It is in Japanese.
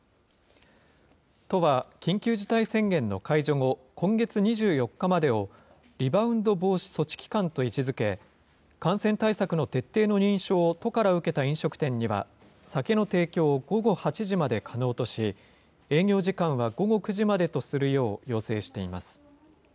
都は緊急事態宣言の解除後、今月２４日までを、リバウンド防止措置期間と位置づけ、感染対策の徹底の認証を都から受けた飲食店には、酒の提供を午後８時まで可能とし、営業時間は午後９時までとするよう要請しています。